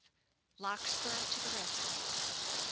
LARKSPUR TO THE RESCUE.